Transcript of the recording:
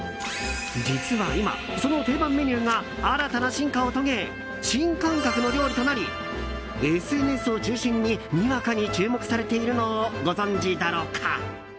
実は今、その定番メニューが新たな進化を遂げ新感覚の料理となりＳＮＳを中心ににわかに注目されているのをご存じだろうか。